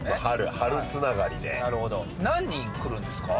春つながりでなるほど何人来るんですか？